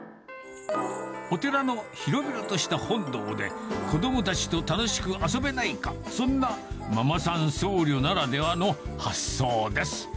お寺の広々とした本堂で、子どもたちと楽しく遊べないか、そんなママさん僧侶ならではの発想です。